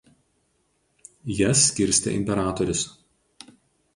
Jas skirstė Imperatorius.